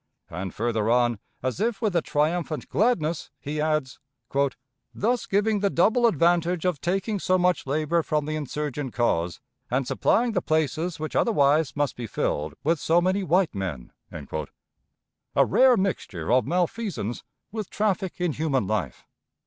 And further on, as if with a triumphant gladness, he adds, "Thus giving the double advantage of taking so much labor from the insurgent cause, and supplying the places which otherwise must be filled with so many white men." A rare mixture of malfeasance with traffic in human life!